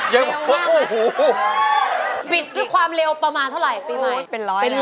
อยากบอกตัวบ้ามากจน